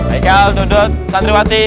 aikal dudut santriwati